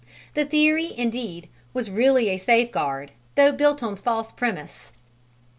The theory, indeed, was really a safeguard, though built on a false premise.